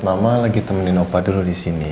mama lagi temenin opa dulu disini